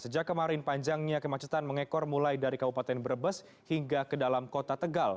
sejak kemarin panjangnya kemacetan mengekor mulai dari kabupaten brebes hingga ke dalam kota tegal